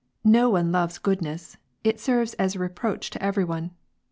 No one loves goodness ; it serves as a reproach to every one.